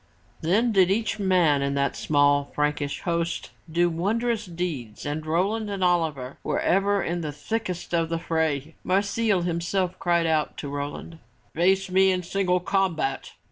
Then did each man in that small Frankish host do wondrous deeds and Roland and Oliver were ever in the thickest of the fray. Marsile himself cried out to Roland, "Face me in single combat!"